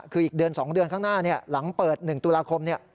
คืออีกเดือน๒เดือนข้างหน้าหลังเปิด๑ตุลาคม